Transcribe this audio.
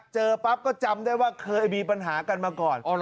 เจอปั๊บก็จำได้ว่าเคยมีปัญหากันมาก่อน